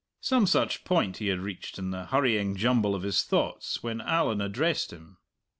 Some such point he had reached in the hurrying jumble of his thoughts when Allan addressed him.